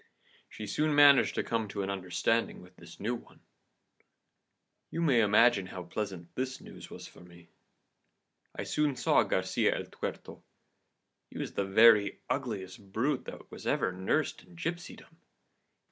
She soon managed to come to an understanding with this new one.' * One eyed man. "You may imagine how pleasant this news was for me. I soon saw Garcia el Tuerto. He was the very ugliest brute that was ever nursed in gipsydom.